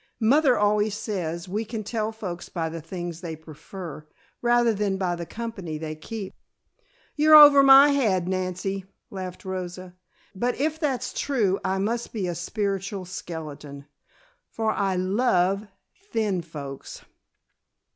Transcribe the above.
"Mother always says we can tell folks by the things they prefer, rather than by the company they keep." "You're over my head, Nancy," laughed Rosa. "But if that's true I must be a spiritual skeleton, for I love thin folks."